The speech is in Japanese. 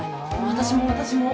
私も私も。